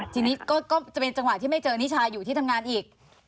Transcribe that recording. ทีนี้ก็จะเป็นจังหวะที่ไม่เจอนิชาอยู่ที่ทำงานอีก